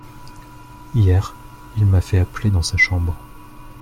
Hier, il m'a fait appeler dans sa chambre.